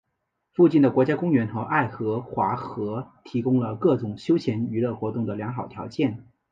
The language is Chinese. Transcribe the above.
附近的国家公园和爱荷华河提供了各种休闲娱乐活动的良好条件。